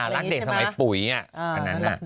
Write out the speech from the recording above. ลักเด็กสมัยปุ๋ยอ่ะอันนั้นอ่ะ